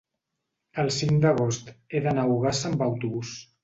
el cinc d'agost he d'anar a Ogassa amb autobús.